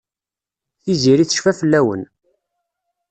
Tiziri tecfa fell-awen.